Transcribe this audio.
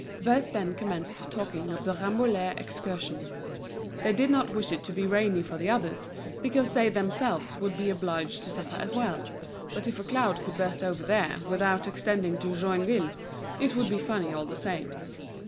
Both then commenced talking of the Rambouillet excursion. They did not wish it to be rainy for the others, because they themselves would be obliged to suffer as well; but if a cloud could burst over there without extending to Joinville, it would be funny all the same.